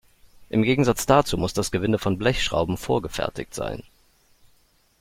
Im Gegensatz dazu muss das Gewinde von Blechschrauben vorgefertigt sein.